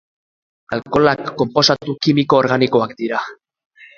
Alkoholak konposatu kimiko organikoak dira.